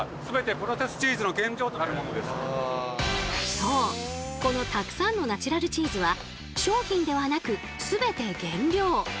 そうこのたくさんのナチュラルチーズは商品ではなく全て原料。